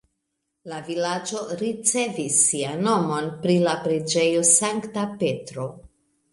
La vilaĝo ricevis sian nomon pri la preĝejo Sankta Petro.